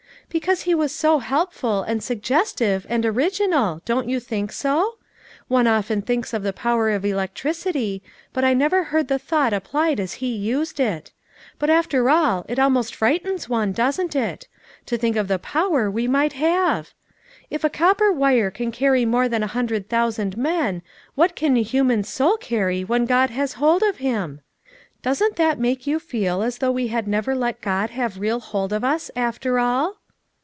"Because he was so helpful, and suggestive, and original, don't you think so? One often thinks of the power of electricity, but I never heard the thought applied as he used it. But after all, it almost frightens one, doesn't it? To think of the power we might have! 'If a copper wire can carry more than a hundred thousand men, what can a human soul carry when God has hold of him?' Doesn't that make you feel as though we had never let God have real hold of us, after all?"